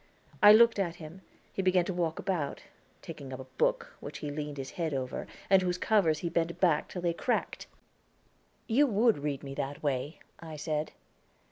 I looked at him; he began to walk about, taking up a book, which he leaned his head over, and whose covers he bent back till they cracked. "You would read me that way," I said.